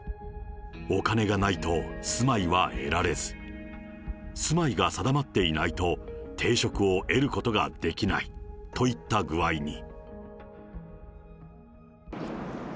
お金がないと住まいは得られず、住まいが定まっていないと、定職を得ることができないといった具合に。